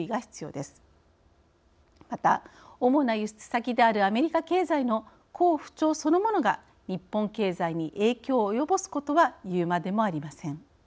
また主な輸出先であるアメリカ経済の好不調そのものが日本経済に影響を及ぼすことは言うまでもありません。